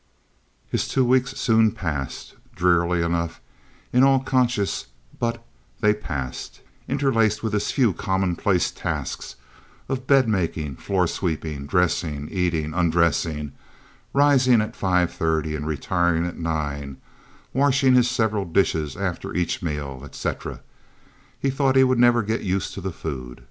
His two weeks soon passed—drearily enough in all conscience but they passed, interlaced with his few commonplace tasks of bed making, floor sweeping, dressing, eating, undressing, rising at five thirty, and retiring at nine, washing his several dishes after each meal, etc. He thought he would never get used to the food.